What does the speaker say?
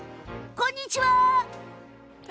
こんにちは。